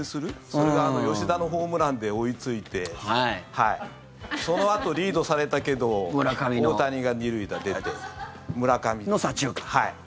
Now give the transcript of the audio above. それが吉田のホームランで追いついてそのあとリードされたけど大谷が２塁打出て左中間。